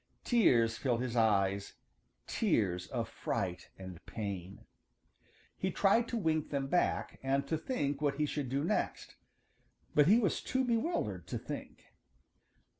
Tears filled his eyes, tears of fright and pain. [Illustration: 0116] He tried to wink them back and to think what he should do next, but he was too bewildered to think.